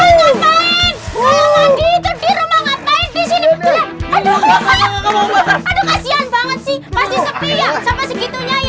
itu di rumah ngapain disini